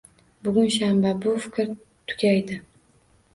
Bugun shanba, bu fikr tugaydi